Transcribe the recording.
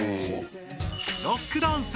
ロックダンス。